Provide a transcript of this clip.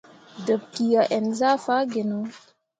Debki a ǝn zah faa gino.